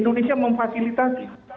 dan mereka memfasilitasi